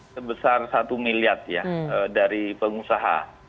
sebesar satu miliar ya dari pengusaha